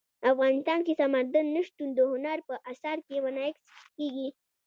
افغانستان کې سمندر نه شتون د هنر په اثار کې منعکس کېږي.